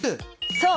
そう！